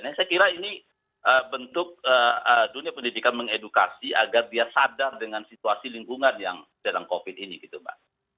nah saya kira ini bentuk dunia pendidikan mengedukasi agar dia sadar dengan situasi lingkungan yang dalam covid ini gitu mbak